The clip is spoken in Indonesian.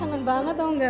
sangat banget tau gak